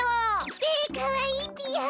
べかわいいぴよ。